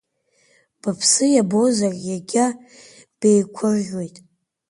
Быԥсы иабозар иагьа беигәырӷьоит!